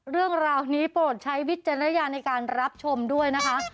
เรื่องราวนี้โปรดใช้วิจารณญาณในการรับชมด้วยนะคะ